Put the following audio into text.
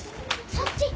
そっち！